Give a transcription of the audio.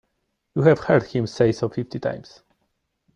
You have heard him say so fifty times.